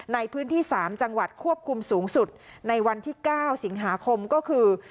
ในพื้นที่๓จังหวัดควบคุมสูงสุดในวันที่๙สิงหาคมก็คือ